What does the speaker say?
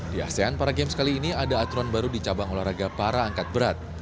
di asean para games kali ini ada aturan baru di cabang olahraga para angkat berat